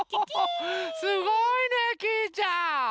すごいねきいちゃん！